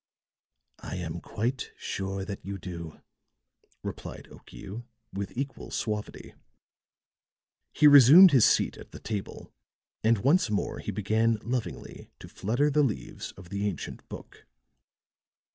"I am quite sure that you do," replied Okiu, with equal suavity. He resumed his seat at the table; and once more he began lovingly to flutter the leaves of the ancient book.